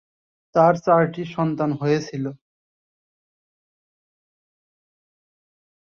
তার চারটি সন্তান হয়েছিল।